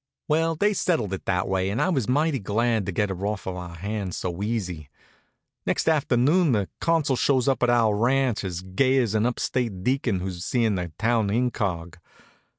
Well, they settled it that way and I was mighty glad to get her off our hands so easy. Next afternoon the Consul shows up at our ranch as gay as an up state deacon who's seeing the town incog.